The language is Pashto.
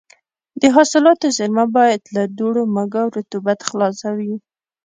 د حاصلاتو زېرمه باید له دوړو، مږو او رطوبت خلاصه وي.